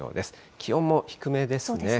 気温も低めですね。